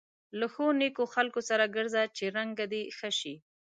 له ښو نېکو خلکو سره ګرځه چې رنګه دې ښه شي.